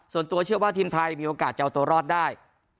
ส่วนตัวเชื่อว่าทีมไทยมีโอกาสจะเอาตัวรอดได้